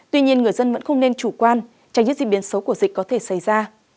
tuy nhiên người dân vẫn không nên chủ quan tránh những diễn biến xấu của dịch có thể xảy ra